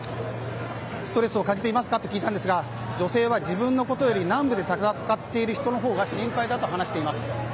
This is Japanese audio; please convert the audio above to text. ストレスを感じていますかと聞きましたが女性は自分のことより南部で戦っている人のほうが心配だと話しています。